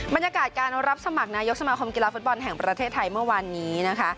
บรรยากาศการรับสมัครนายกสมาคมกีฬาฟุตบอลแห่งประเทศไทยเมื่อวานนี้นะคะ